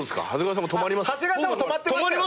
あっ長谷川さんも止まってましたよね。